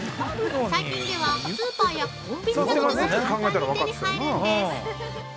最近では、スーパーやコンビニなどでも簡単に手に入るんです！